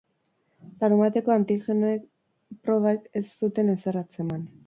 Larunbateko antigenoen probek ez zuten ezer atzeman.